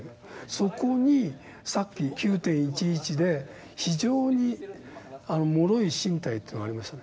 そこにさっき９．１１で非常にもろい身体というのがありましたね。